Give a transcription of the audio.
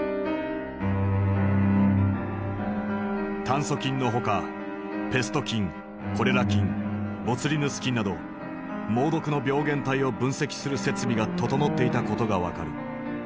炭疽菌のほかペスト菌コレラ菌ボツリヌス菌など猛毒の病原体を分析する設備が整っていたことが分かる。